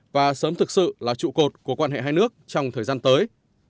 và sớm thực sự là trụ cột của quan hệ hai nước trong thời gian tới